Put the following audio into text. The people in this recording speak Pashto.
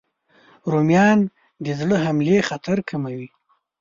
رومیان د زړه حملې خطر کموي